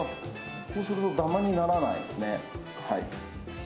そうするとダマにならないですね。